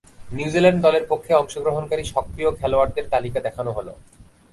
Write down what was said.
New Zealand দলের পক্ষে অংশগ্রহণকারী সক্রীয় খেলোয়াড়দের তালিকা দেখানো হলো।